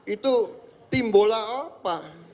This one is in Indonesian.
itu tim bola apa